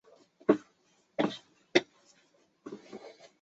但是种类之间的杂交可以使植物含有的色素体不同于正常繁殖。